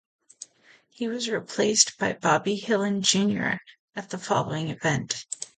He was replaced by Bobby Hillin, Junior at the following event.